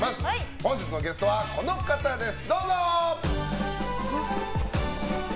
本日のゲストはこの方です。